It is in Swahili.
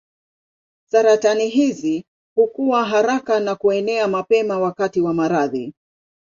Saratani hizi hukua haraka na kuenea mapema wakati wa maradhi.